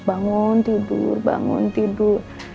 bangun tidur bangun tidur